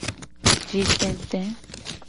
Jitete.